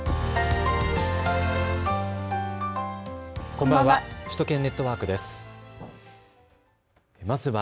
こんばんは。